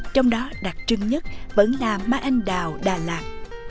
trong đó đặc trưng nhất vẫn là mai anh đào đà lạt